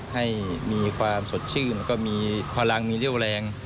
ให้มีความสดชื่นแล้วก็มีพลังมีเรี่ยวแรง